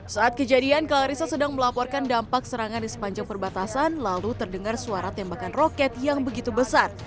saat kejadian clarissa sedang melaporkan dampak serangan di sepanjang perbatasan lalu terdengar suara tembakan roket yang begitu besar